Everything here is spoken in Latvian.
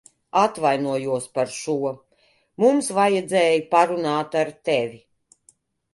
Atvainojos par šo. Mums vajadzēja parunāt ar tevi.